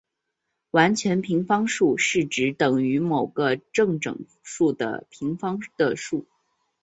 完全平方数是指等于某个正整数的平方的数。